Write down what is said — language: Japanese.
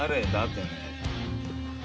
てめえ。